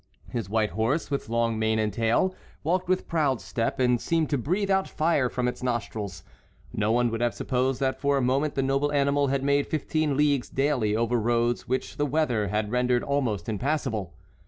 His white horse, with long mane and tail, walked with proud step and seemed to breathe out fire from his nostrils. No one would have supposed that for a month the noble animal had made fifteen leagues daily over roads which the weather had rendered almost impassable.